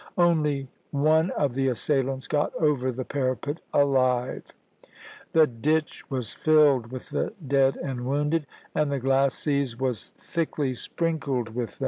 Only one of the assailants got over the parapet alive; the ditch was filled with the dead and wounded, and the glacis was thickly sprinkled with them.